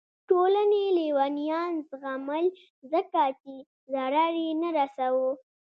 ټولنې لیونیان زغمل ځکه چې ضرر یې نه رسوه.